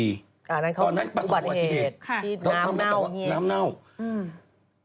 ตอนนั้นประสบความคิดได้เราก็บอกว่าน้ำเน่าเหี้ย